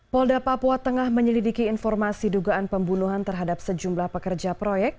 polda papua tengah menyelidiki informasi dugaan pembunuhan terhadap sejumlah pekerja proyek